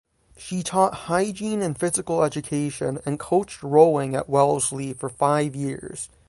She taught hygiene and physical education and coached rowing at Wellesley for five years.